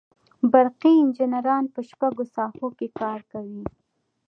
برقي انجینران په شپږو ساحو کې کار کوي.